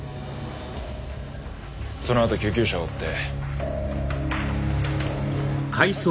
そのあと救急車を追って。